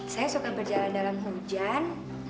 saya suka berjalan dalam hujan